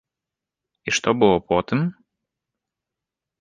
І што было потым?